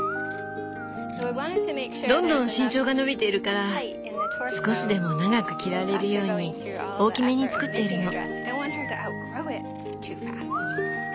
どんどん身長が伸びているから少しでも長く着られるように大きめに作っているの。